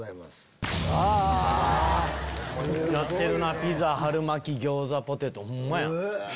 やってるなピザ春巻きギョーザポテトホンマやん。